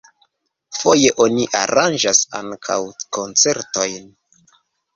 Foje oni aranĝas ankaŭ koncertojn.